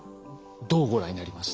どうご覧になりました？